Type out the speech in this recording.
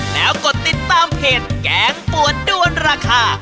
แล้วกดติดตามเพจแกงปวดด้วนราคา